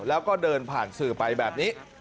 แล้วก็เดินผ่านสื่อไปแบบนี้